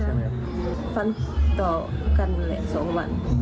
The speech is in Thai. ฟันต่อกันแหละ๒วัน